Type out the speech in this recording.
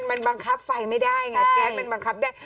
มันบังคับไฟไม่ได้ไงแก๊สมันบังคับได้